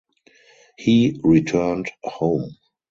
He returned home.